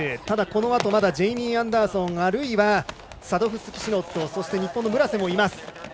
ただ、このあとジェイミー・アンダーソンサドフスキシノットそして日本の村瀬もいます。